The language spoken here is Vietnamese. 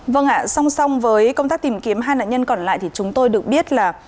vâng ạ song song với công tác tìm kiếm hai nạn nhân còn lại thì chúng tôi được biết là